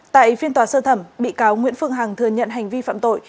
tại phiên tòa sơ thẩm bị cáo nguyễn phương hằng thừa nhận hành vi phạm tội